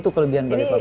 itu kelebihan balikpapan